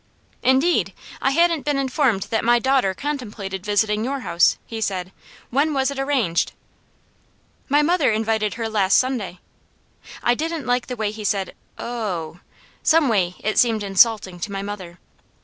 "Indeed! I hadn't been informed that my daughter contemplated visiting your house," he said. "When was it arranged?" "My mother invited her last Sunday." I didn't like the way he said: "O o o h!" Some way it seemed insulting to my mother.